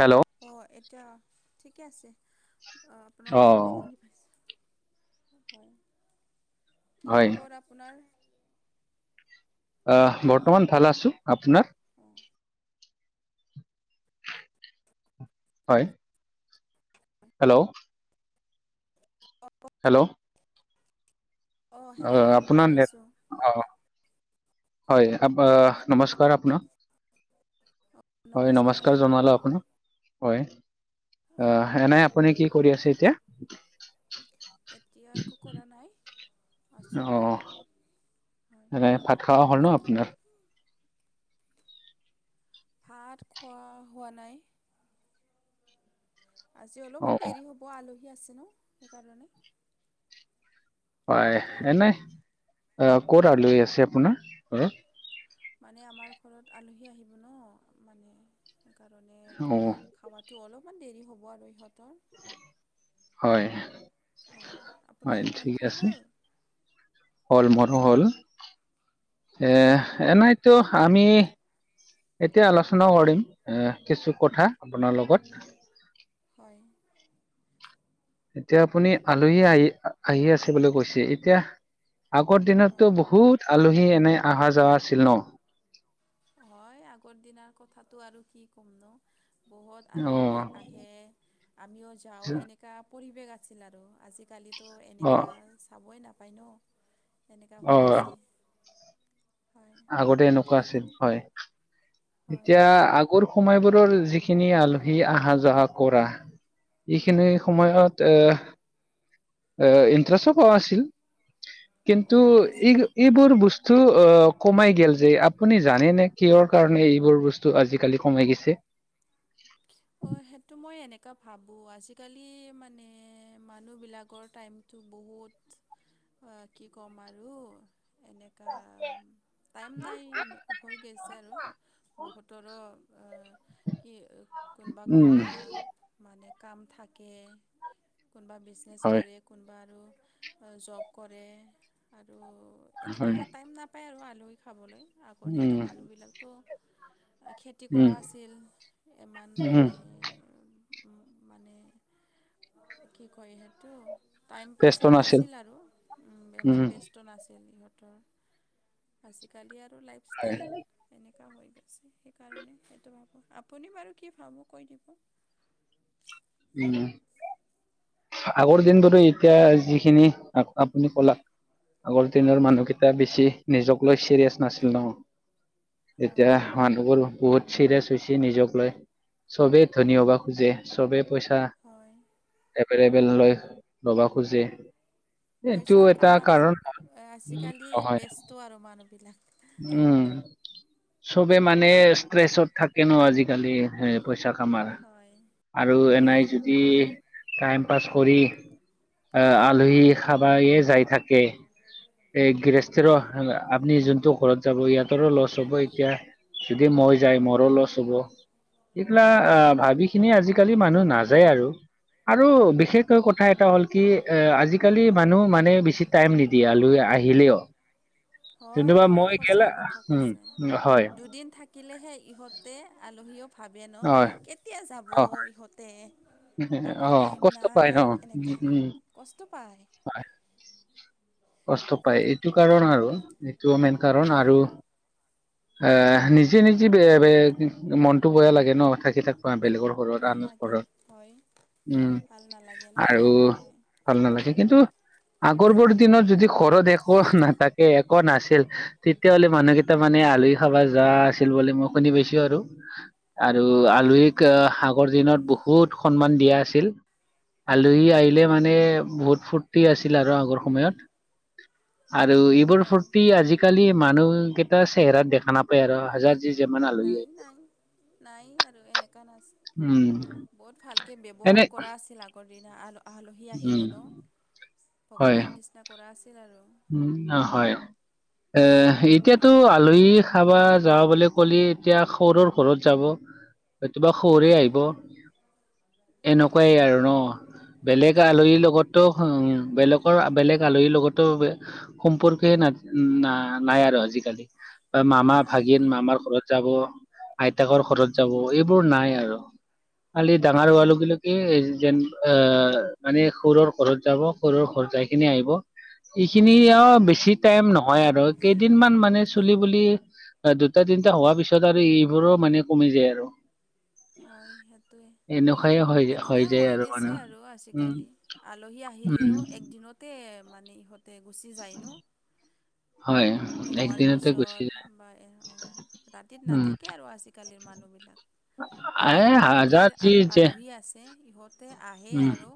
Hello অঁ এতিয়া ঠিকে আছে, আপোনাৰ অ মাতটো শুনি পাইছোঁ। হয়, কি হয় খবৰ আপোনাৰ? বৰ্তমান ভাল আছো, আপোনাৰ? অঁ হয়। হেল্ল [unintelligible] হেল্ল অ হেল্ল' শুনি আপোনাৰ নেট পাইছোঁ। অ হয়, আ নমস্কাৰ আপোনাক। হয় নমস্কাৰ জনালো আপোনাক। হয়, অ', আঁহ এনে আপুনি কি কৰি আছে এতিয়া? এতিয়া একো কৰা নাই। আছোঁ অঁ বহি হয়। এনে ভাত খোৱা হ'ল ন আপোনাৰ। ভাত খোৱা হোৱা নাই। আজি অ অলপমান দেৰি হ'ব আলহী আছে ন সেইকাৰণে হয় এনে অ ক'ৰ আলহী আছে আপোনাৰ ঘৰত মানে আমাৰ ঘৰত আলহী আহিব ন মানে সেইকাৰণে অ খাৱাটো অলপমান দেৰি হ'ব আৰু ইহঁতৰ হয় হয় হয় আপোনাৰ ঠিক ভাত খোৱা আছে হ'ল হল মোৰ হল এ হা এনাইতো আমি এতিয়া আলোচনা কৰিম কিছু কথা আপোনাৰ লগত হয়। এতিয়া আপুনি আলহী আহি আহি আছে বুলি কৈছে এতিয়া আগৰ দিনতো হয় বহুত আলহী এনে অহা যোৱা আছিল ন হয় আগৰ দিনাৰ কথাতটো আৰু কি ক'ম ন বহুত অ আলহী আহি হে আমিও যাওঁ এনেকা পৰিৱেশ আছিল আৰু আজিকালি তো অ এনেকা চাবই নাপায় ন তেনেকা অ হৈ আছে হয়। আগতে এনেকুৱা আছিল হয় হয় এতিয়া আগৰ সময়বোৰৰ যিখিন খিনি আলহী আহা যোৱা কৰা উম এইখিনি সময়ত এ এ ইণ্টাৰেষ্টো পোৱা আছিল কিন্তু অঁ এই আছিল এইবোৰ বস্তু কমাই গেল যে আপুনি জানেনে কিহৰ কাৰণে এইবোৰ বস্তু তো আজিকালি কমাই গৈছে অ সেইটো মই এনেকা ভাবোঁ আজিকালি মানে মানুহবিলাকৰ টাইম টো বহুত কি ক'ম আৰু এনেকুৱা টাইম নাই হৈ গেছে আৰু বহুতৰো কি কোনবা উম কোনবা মানে কাম থাকে কোনোবা বিজনেছ হয় কৰে কোনোবা আৰু জব কৰে আৰু এনেকুৱা হয় টাইম নাপায় আৰু আলহী খাবলৈ আগৰ দিনা উম মানুহবিলাকতো খেতি উম কৰা আছিল ইমান উম মানে মানে কি কয় সেইটো টাইম প্ৰেচাৰ নাছিল আৰু উম ইমান বেষ্ট স্ত নাছিল ইহঁতৰ আজিকালি আৰু হয় লাইফষ্টাইল এনেকুৱা হৈ গৈছে সেইকাৰণে সেইটো ভাবোঁ আপুনি বাৰু কি ভাবোঁ কৈ দিব উম আগৰ দিন ধৰো এতিয়া যিখিনি আপুনি কলাক আগৰ দিনৰ মানুহ কেইটা তেতিয়া বেছি নিজক লৈ চিৰিয়াচ নাছিল ন এতিয়া অঁ মানুহবোৰ বহুত চিৰিয়াছ হৈছে নিজক লৈ চবেই ধনী হব খোজে চবে পইচা হয় ফবেল লৈ ৰবা খোজি পইচা কামাতে আজিকালি নহয় ব্যস্ত আৰু মানুহবিলাক উম চবে মানে ষ্ট্ৰেচত থাকেনো আজিকালি পইচা কামাৰ হয় আৰু হয় এনেই যদি সেইটো টাইম পাছ কৰি আহ আলহী খাবে যাই থাকে এই গৃহস্থিৰ আপ্নি যোনটো ত যাব ইয়াতৰো লছ হ'ব এতিয়া যদি মই যাই মোৰো লছ হ'ব এইগিলা হয় আহ ভাবি খিনি আজিকালি মানুহ নাযায় আৰু আৰু বিশেষকৈ কথা এটা হ'ল কি এ আজিকালি মানুহ মানে বেছি টাইম নিদিয়ে ইয়ালৈ আহিলেও। হয় যেনিবা হয়, মই সঁচা গেলা কথা উম কৈছে হয় দুদিন থাক থাকিলেহে ইহঁতে আলহীয়েও ভাবে ন হয় কেতিয়া যাব অ ইহঁত তে আমাৰ অ টাইম কষ্ট পায় ন নাই উম এনেকুৱা উম কষ্ট পায়। হয় কষ্ট পায় এইটো কাৰণ আৰু এইটো মেইন কাৰণ আৰু আ আ আ আহ নিজে নিজে বেয়া বেয়া দিব মনটো বেয়া লাগে ন থাকি থাকবা বেলেগৰ ঘৰত ভয় আনৰ লাগে ঘৰত হয় উম ভাল নালাগে না আৰু হয়। ভাল নালাগে কিন্তু আগৰবোৰ দিনত যদি ঘৰত একো আহ্ নাথাকে একো নাছিল ইহ্ তেতিয়াহ'লে মানুহকেই তাৰমানে আলহী খাবা যা আছিল বুলি মই শুনি পাইছো আৰু [inaudible] আৰু হয় আলহীক আগৰ দিনত বহুত সন্মান দিয়া আছিল। আলহী আহিলে মানে বহুত ফূৰ্তি আছিল আৰু আগৰ সময়ত। আৰু এইবোৰ হয় ফূৰ্তি আজিকালি মানুহকেইটা চেহেৰাত দেখা নাপায়। তেৰ হাজাৰ যি জমানা নাই লৈয়ে। নাই। নাই আৰু এনেকা নাচ। উম উ উ। বহুত ভালকে ব্যৱহাৰ কৰা আছিল আগৰ দিনা আল আলহী উম, আহিলেনো। সি হয়, ভগৱান নিচিনা কৰা আছিল আৰু উম অ হয়। এ এ এ এতিয়াতো আলহী খাবা যাও বুলি ক'লি এতিয়া সৰুৰ ঘৰত যাব। [inaudible] এ কিবা সৰে অঁ আহিব। হয় এনেকুৱাইে আৰু ন বেলেগ এনেকুৱাৰে আলহীৰ লগত ত হু উ উ বেলেগৰ বেলেগ আলহীৰ লগতো ইহ সম্পৰ্কে ন না নাই আৰু আজিকালি বা মামা নাই ভাগিন নাই মামাৰ ঘৰত যাব আইতাকৰ ঘৰত যাব এইবোৰ নাই আৰু খালি ডাঙৰ হলগুলে কি যেন অ অ অ অ মানে সুৰৰ ঘৰত যাব। সৰুৰ ঘৰ যাই খিনি আহিব। এইখিনি আৰু হয় বেছি টাইম নহয় আৰু কেইদিনমান মানে নাই চুলি বুলি। অ দুটা তিনিটা হোৱাৰ পিছত আৰু এইবোৰো মানে কমি যায় আৰু হয়, সেইটোৱে আহ এনেকুৱাই হৈ আহ এনেকা যায় হৈ আৰু মানে গেছে আৰু উম আজিকালি। আলহী উম আহিলেও একদিনতে মানে ইহঁতে গুচি যায়নো। হয়। খোৱাৰ একদিনতে গুচি পিছত যায় বা এ উম উম ৰাতিত উম নাথাকে আৰু আজিকালিৰ মানুহবিলাক। আমাৰো এই হাজাৰ গুৱাহাটীৰ যি আল যে আলহী আছে ইহঁতে আহে উম আৰু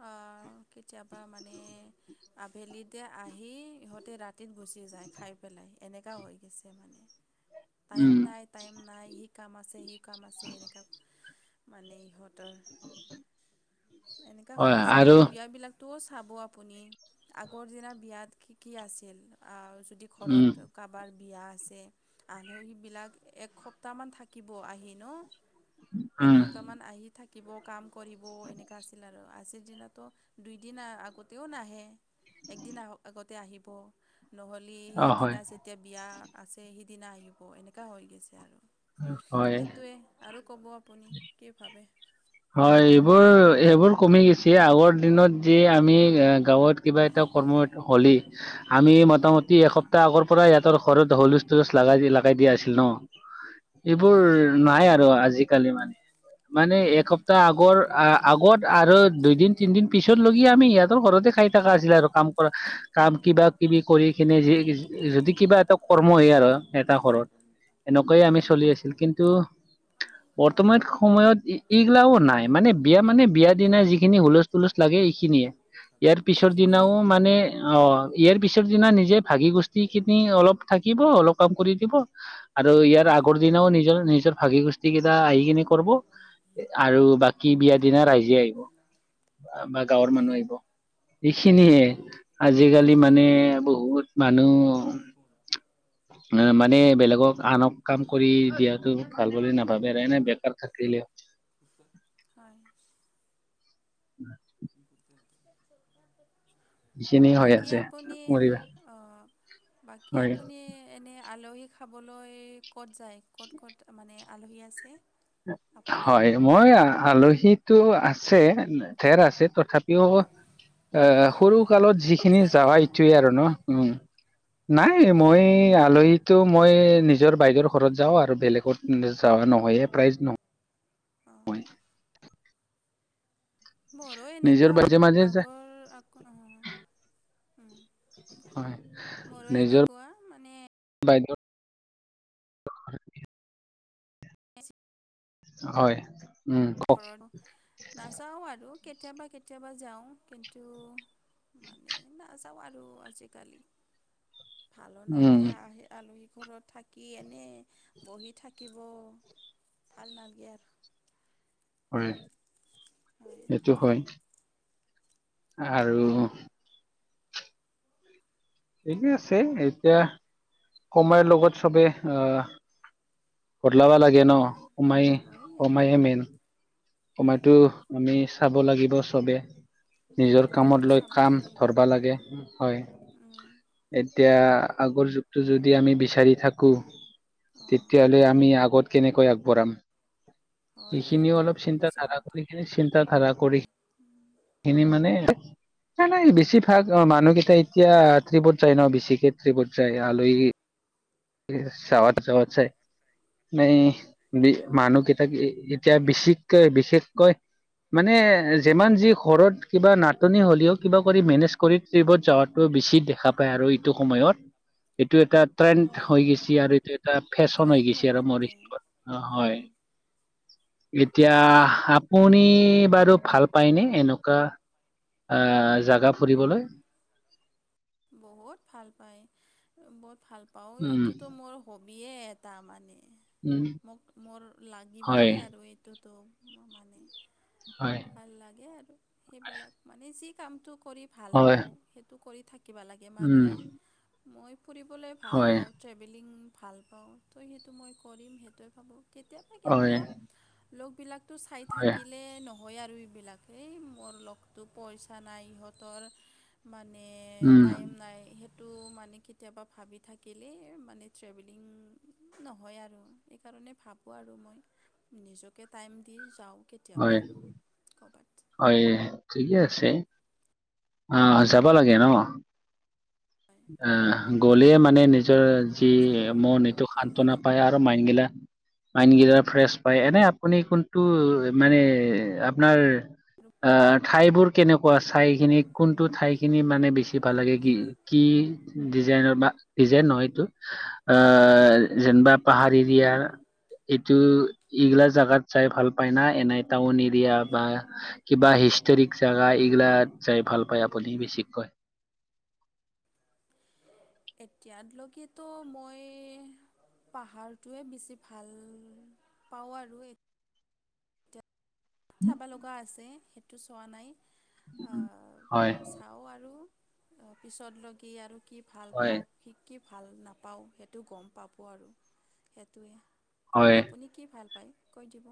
ইস্ স স হুম অ অ অ অ কেতিয়াবা মানে আহ্ আবেলিতে আহি ইহঁতে ৰাতি গুচি যায় খাই পেলাই এনেকুৱা হৈ গৈছে মানে টাইম উম নাই। টাইম নাই সি কাম আছে সি কাম আছে এনেকুৱা ইহ্ ই ই ই মানে ইহঁতৰ টু টু ছিচ এনেকা হৈ গৈছে আৰু বিয়া বিলাক টোও চাব আপুনি আগৰ দিনা বিয়াত কি কি আছিল আৰু যদি উম ঘৰত কাৰোবাৰ বিয়া আছে। আলহীবিলাক এসপ্তাহমান থাকিব আহি ন। উম এসপ্তাহমান আহি থাকিব কাম কৰিব এনেকুৱা আছিল আৰু আজিৰ দিনোতো আহ্ দুইদিন আ আ আগতেও নাহে একদিন আও আগতে আহিব। নহ'লে অ হয় সেইদিনা যেতিয়া বিয়া আছে সেইদিনা আহিব এনেকুৱা হৈ গৈছে আৰু হয় সেইটোৱে আৰু কব আপুনি কি ভাবে হয় এইবোৰ এইবোৰ কমি গৈছে আগৰ দিনত যে আমি গাঁৱত কিবা এটা কৰ্ম হলে আমি মোটামুটি হয় এসপ্তাহ আগৰ পৰাই ইহতৰ ঘৰত হলু ষ্টুলজ লগাই লগাই দিয়া আছিল ন হয় এইবোৰ নাই আৰু আজিকালি মানে মানে এসপ্তাহ আগৰ আগত আৰু দুইদিন তিনিদিন পিছত লগি আমি সিহঁতৰ ঘৰতে খাই থকা আছিলে আৰু কাম কৰা কাম কিবা কিবি কৰি কিনে যি যদি কিবা এটা কৰ্ম হয় আৰু এটা ঘৰত এনেকুৱাই আমি চলি আছিল কিন্তু হয় বৰ্তমান সময়ত এইগালা ও নাই মানে বিয়া মানে বিয়া দিনা নাই যিখিনি হুলচ তুলচ লাগে এইখিনিয়ে ইয়াৰ পিছৰ সেইখিনিয়ে দিনাও মানে মানে অ ইয়াৰ পিছৰ দিনা নিজে ভাগি গষ্ঠি কিনি অলপ থাকিব অলপ কাম কৰি দিব আৰু ইয়াৰ হয় আগৰ দিনাও নিজৰ নিজৰ ভাগি গোষ্ঠী কেইটা আহি কিনে কৰিব আৰু বাকী বিয়া দিনা ৰাইজে আহিব বা গাঁৱৰ হয় মানুহ আহিব হয় এইখিনিয়ে আজিকালি মানে এইখিনিয়ে বহুত মানুহ মানে বেলেগক আনক কাম কৰি দিয়াতটো ভাল বুলি নাভাবে এনে বেকাৰ থাকিলে হয় উ এইখিনি [unintelligible] হৈ বাকী আছে আপুনি কৰিবা অ বাকী হয় আপুনি এনেই আলহী খাবলৈ ক'ত যায় ক'ত ক'ত মানে আলহী আছে আপোনাৰ হয় মই আলহীতো আছে ঠেৰ আছে তথাপিও এ সৰু কালত যিখিনি যায় না যাৱা আপুনি এইটোৱে আৰু ন উম নাই অঁ মই আলহীত ত' মই নিজৰ বাইদেউৰ ঘৰত যাওঁ আৰু বেলেগত যোৱা নহয়ে প্ৰাইজ নহয় অঁ মৰো নিজৰ এনেকুৱা মাজে মাজে যায় আগৰ আকৌ হয় মোৰো নিজৰ এনেকুৱা মানে বাইদেউ অ [unintelligible] হয় উম নাযাওঁ আৰু কেতিয়াবা কেতিয়াবা যাওঁ কিন্তু মানে নাযাওঁ আৰু আজিকালি ভালো উম নালকে আহে আলহী ঘৰত থাকি এনেই বহি থাকিব ভাল নাগে আৰু কৰে সেইটো হয়। আৰু ঠিকেই আছে এতিয়া সময়ৰ লগত চবে আহ ঘলবা লাগে ন অ মাই হয় হয় অ মাই এইটো মেইন সময়তো আমি চাব লাগিব চবে। নিজৰ সময়টো কামত লৈ চাব কাম লাগিব ধৰিবা লাগে হয়। এতিয়া আগৰ যুগটো যদি আমি বিচাৰি থাকো অঁ তেতিয়াহলে আমি আগত কেনেকৈ আগবঢ়াম। হয় সেইখিনিও এইটো। অলপ চিন্তা সঁচা ধাৰা কথা কৰি কিনে চিন্তা ধাৰা কৰি, খিনি মানে নাই নাই বেছি ভাগ অঁ মানুহকেইটা এতিয়া ট্ৰিপত যায় ন বেছিকে ট্ৰিপত যায়, আলহী চাৱত চবত চাই, নাই হয় মানুহ হয় কেইটা এ এতিয়া বিচিককৈ বিশেষকৈ। মানে যিমান যি ঘৰত কিবা নাটনি হ'লেও, কিবা কৰি মেনেজ কৰি ট্ৰীপত যোৱাতকৈ বেছি দেখা পায় আৰু এটো সময়ত, এইটো এটা আত হয় হৈ হয় গৈছি, আৰু এইটো এটা ফেশ্বন হৈ গৈছে আৰু মৰি, অঁ হয়। এতিয়া আপোনি বাৰু ভাল পায়নে এনেকুৱা? আঁহ জাগা ফুৰিবলৈ। বহুত ভাল পায়, বহুত ভাল পাওঁ উম এইটোতো মোৰ হবিয়ে এটা মানে, উম মোক মোৰ হয় লাগিবহে আৰু এইটোতো। মোৰ মানে। হয়। ভাল লাগে আৰু সেইবিলাক মানে যি কামটো কৰি ভাল হয় পাওঁ সেইটো কৰি থাকিবা লাগে। গে উম মানুহে মই ফুৰিবলৈ ভাল হয় পাওঁ। ট্ৰেভেলিং ভাল পাওঁ, ত' সেইটো মই কৰিম সেইটোৱে ভাবোঁ। কেতিয়াবা কিন্তু হয় লগবিলাকতো চাই হয় থাকিলে নহ হয় আৰু এইবিলাক এই মোৰ লগতটো পইচা নাই ইহঁতৰ, মানে উম টাইম নাই সেইটো মানে কেতিয়াবা ভাবি থাকিলে মানে ট্ৰেভেলিং নহয় আৰু। সেইকাৰণে ভাবোঁ আৰু মই নিজকে টাইম দি যাওঁ। কেতিয়াবা হয় আৰু ক'বাত। হয় ঠিকে আছে, আঁহ যাবা লাগে ন। হয় আঁহ, সেইটোৱে গলে মানে নিজৰ যি হয় যাব লাগে মন এইটো ভাল লাগে সান্তনা পায় আৰু মাইন গিলা মাইণ্ড গিলা ফ্ৰেছ পায়। এনেই আপুনি কোনটো মানে আপনাৰ আৰু আ ঠাইবোৰ কেনেকোৱা চায়কিনি কোনটো ঠাই খিনি মানে বেছি ভাল লাগে কি কি ডিজাইনৰ বা, ডিজাইন নহয় এইটো। আঁ, যেনিবা পাহাৰ এৰিয়াৰ এইটো এইগিলা জাগাত যাই ভাল পায় না, এনে টাউন এৰিয়া বা কিবা হিষ্টৰিক জাগা এইগিলাত যাই ভাল পায় আপুনি বেছিকৈ। এতিয়ালৈকেতো মই পাহাৰটোৱে বেছি ভাল পাওঁ আৰু এ চাবা লগা আছে, সেইটো চোৱা নাই আঁ হয় চাওঁ আৰু অঁ পিছত লগি আৰু কি ভাল হয় পাওঁ। শিকি ভাল নাপাওঁ, সেটো গম পাব আৰু সেইটোৱে হয় আপুনি। কি ভাল পায় কৈ দিব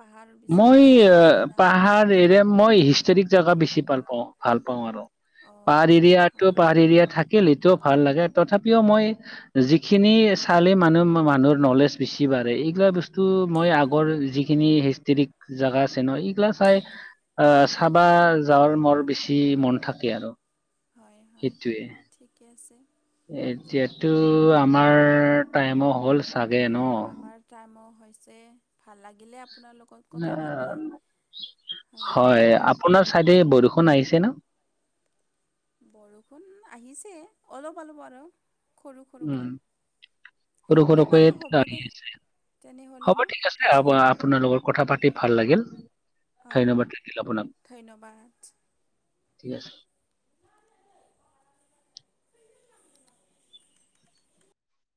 পাহাৰ বেছি মই ভাল লাগে আহ, না পাহাৰ আৰু কি? এৰিয়া মই হিষ্টৰিক জগা বেছি ভাল পাওঁ ভাল পাওঁ আৰু অঁ পাহাৰ এৰিয়াতো হয় হয় পাহাৰএৰিয়া থা কে লিটিও ভাল লাগে, তথাপিও মই যিখিনি চালে মানুহ মানুহৰ নলেজ বেছি বাঢ়ে, এইগিলা ব টো মই আগৰ যিখিনি হিষ্টৰিক জাগা আছে ন, এইগিলা চাই আহ চাবা যাৰ মৰ বেছি মন থাকে আৰু হয় হয় সেইটোৱে। ঠিকে আছে। এতিয়াতো আমাৰ টাইমো হ'ল। চাগে ন? অঁ আমাৰ টাইমো হৈছে। ভাল লাগিলে আপোনাৰ লগত কথা আহ, পাতি হয়। আপোনাৰ চাইডে বৰষুণ, আহিছে ন। বৰষুণ, আহিছে অলপ -অলপ আৰু সৰু- উম। সৰুকৈ সৰু দে -সৰু কৈ বাৰু হ'ব দে আহি আছে। তেনেহ'লে হ'ব ন ঠিক আছে আজিৰ আপোনাৰ লগত কথা পাতি ভাল লাগিল। অঁ ধন্যবাদ থাকিলে আপোনাক ধন্যবাদ ঠিক আছে।